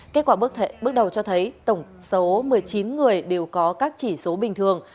kết quả bước đầu cho thấy tổng số một mươi chín người đều có các chỉ số bình thường